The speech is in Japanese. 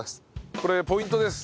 これポイントです。